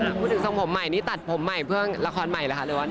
คุณพูดถึงทรงผมใหม่นี่ตัดผมใหม่เพื่อละครใหม่หรือหรือว่าหนัง